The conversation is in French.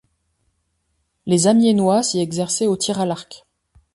Les Amiénois s'y exerçaient au tir à l'arc.